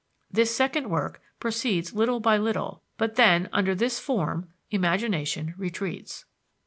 This second work proceeds little by little, but then, under this form, imagination retreats.